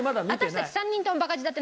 私たち３人ともバカ舌って。